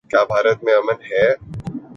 کیا بھارت میں امن ہے؟